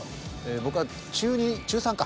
僕は中２中３か。